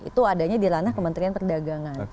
itu adanya di ranah kementerian perdagangan